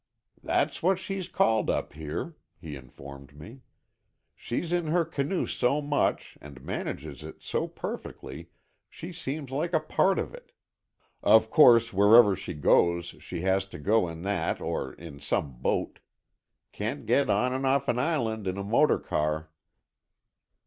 "That's what she's called up here," he informed me. "She's in her canoe so much and manages it so perfectly, she seems like a part of it. Of course, wherever she goes, she has to go in that or in some boat. Can't get on and off an island in a motor car."